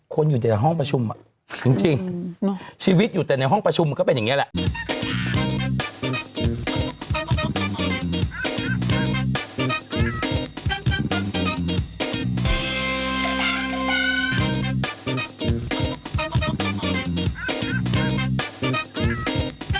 คนอยู่แต่ห้องประชุมอ่ะจริงชีวิตอยู่แต่ในห้องประชุมมันก็เป็นอย่างนี้แหละ